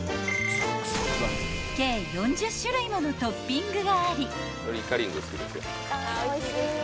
［計４０種類ものトッピングがあり］